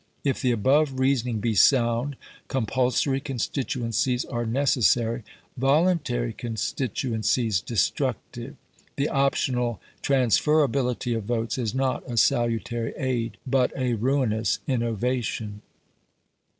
If the above reasoning be sound, compulsory constituencies are necessary, voluntary constituencies destructive; the optional transferability of votes is not a salutary aid, but a ruinous innovation.